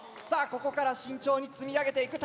ここから慎重に積み上げていく。